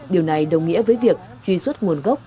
điều này đồng nghĩa với việc truy xuất nguồn gốc